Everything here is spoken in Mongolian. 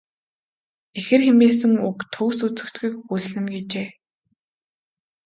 Ихэр хэмээсэн үг төгс үзэгдэхүйг өгүүлсэн нь." гэжээ.